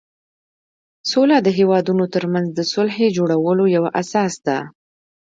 سوله د هېوادونو ترمنځ د صلحې جوړولو یوه اساس ده.